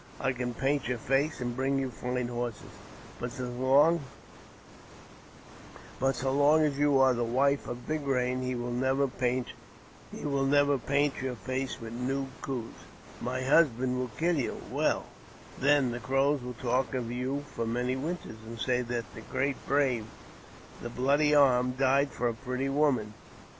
I can paint your face, and bring you fine horses ; but so long as you are the wife of Big Eain, he will never paint your face with new coos." '* My husband will kill you." Well, then the Crows will talk of you for many winters, and say that the great brave, • The Bloody Arm,' died for a pretty woman." 202 AUTOBIOGBAPHY OF .